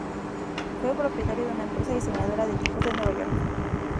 Fue propietario de una Empresa diseñadora de tipos en Nueva York.